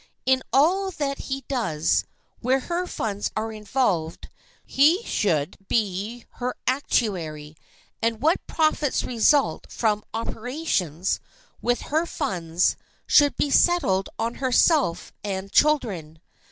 In all that he does, where her funds are involved, he should be her actuary, and what profits result from "operations" with her funds should be settled on herself and children.